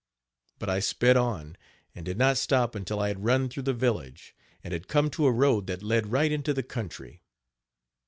But I sped on, and did not stop until I had run through the village, and had come to a road that led right into the country.